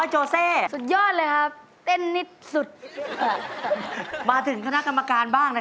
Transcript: หยุดแล้วเนี่ยร้องสิ